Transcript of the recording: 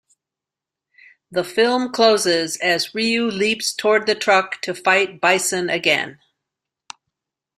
The film closes as Ryu leaps towards the truck to fight Bison again.